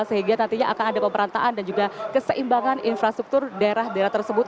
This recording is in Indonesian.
sehingga nantinya akan ada pemerantaan dan juga keseimbangan infrastruktur daerah daerah tersebut